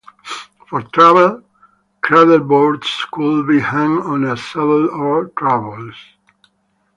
For travel, cradleboards could be hung on a saddle or travois.